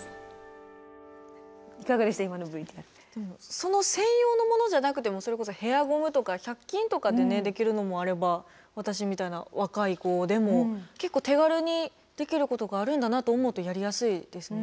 その専用のものじゃなくてもそれこそヘアゴムとか１００均とかでねできるのもあれば私みたいな若い子でも結構手軽にできることがあるんだなと思うとやりやすいですね。